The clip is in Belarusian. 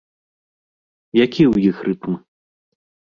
Які ў іх рытм?